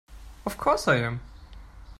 Of course I am!